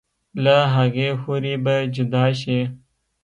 لۀ هغې حورې به جدا شي